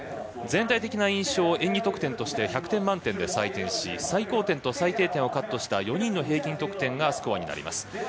全体的な印象を演技得点として１００点満点で採点し最高点と最低点をカットした４人の平均得点がスコアになります。